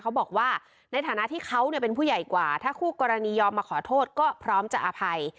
เขาบอกว่าในฐานะที่เขาเป็นผู้ใหญ่กว่าถ้าคู่กรณียอมมาขอโทษก็พร้อมจะอภัย